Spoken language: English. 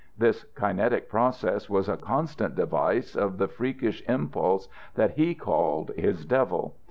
This kinetic process was a constant device of the freakish impulse that he called his devil.